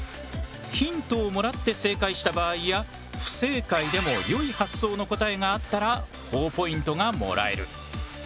ヒントをもらって正解した場合や不正解でも良い発想の答えがあったらほぉポイントがもらえる。